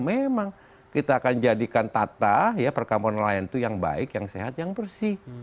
memang kita akan jadikan tata ya perkampungan nelayan itu yang baik yang sehat yang bersih